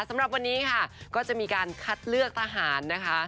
สำหรับวันนี้ค่ะก็จะมีการคัดเลือกทหารนะคะ